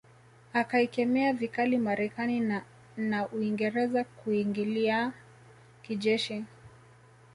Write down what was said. Akaikemea vikali Marekani na na Uingereza kuiingilia kijeshi